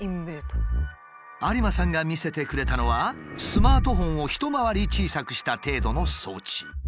有馬さんが見せてくれたのはスマートフォンを一回り小さくした程度の装置。